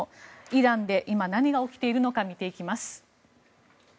イランで今、何が起きているのか見ていきます。